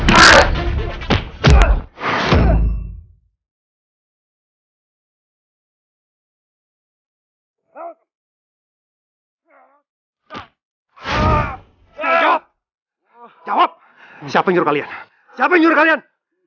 jawab jawab jawab siapa nyuruh kalian siapa nyuruh kalian